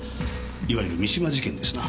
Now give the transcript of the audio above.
いわゆる三島事件ですな。